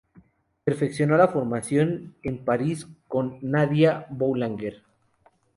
Perfeccionó su formación en París con Nadia Boulanger.